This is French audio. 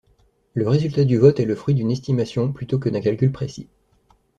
Le résultat du vote est le fruit d'une estimation plutôt que d'un calcul précis.